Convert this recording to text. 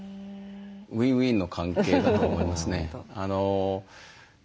ウィンウィンの関係だと思いますね。